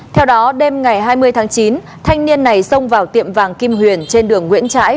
theo đó đêm ngày hai mươi tháng chín thanh niên này xông vào tiệm vàng kim huyền trên đường nguyễn trãi